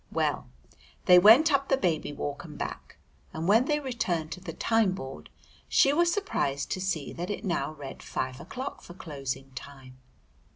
Well, they went up the Baby Walk and back, and when they returned to the time board she was surprised to see that it now read five o'clock for closing time.